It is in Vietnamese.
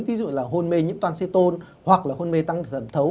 ví dụ là hôn mê nhiễm toan xê tôn hoặc là hôn mê tăng thẩm thấu